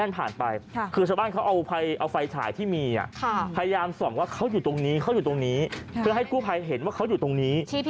พยายามส่วนว่าเขาอยู่ตรงนี้เพื่อให้กู้ภัยเห็นว่าเขาอยู่ตรงนี้